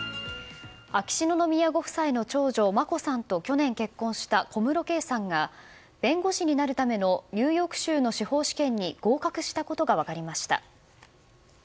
秋篠宮ご夫妻の長女・眞子さんと去年結婚した小室圭さんが弁護士になるためのニューヨーク州の司法試験に合格したことが分かりました。